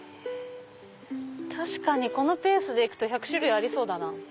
確かにこのペースでいくと１００種類ありそうだなぁ。